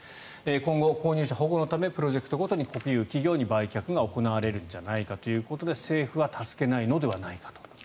今後、購入者保護のためプロジェクトごとに国有企業に売却が行われるんじゃないかということで政府は助けないのではないかと。